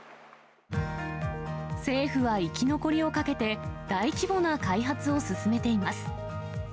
政府は生き残りをかけて、大規模な開発を進めています。